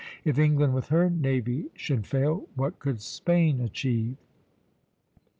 If England with her navy should fail, what could Spain achieve?